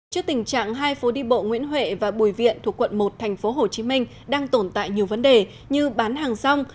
trước tình trạng hai phố đi bộ nguyễn huệ và bùi viện thuộc quận một tp hcm đang tồn tại nhiều vấn đề như bán hàng rong